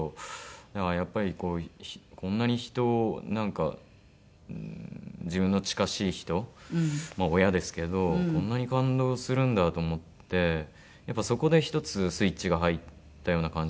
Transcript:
だからやっぱりこんなに人をなんか自分の近しい人まあ親ですけどこんなに感動するんだと思ってやっぱそこで一つスイッチが入ったような感じはありますね。